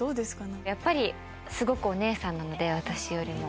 やっぱりすごくお姉さんなので私よりも。